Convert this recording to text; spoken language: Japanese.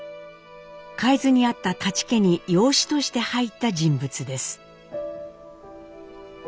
海津にあった舘家に養子として入った人物です。